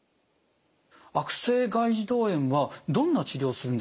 悪性外耳道炎はどんな治療をするんでしょうか？